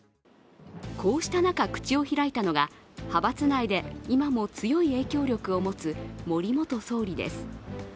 こうした中、口を開いたのが派閥内で今も強い影響力を持つ森元総理です。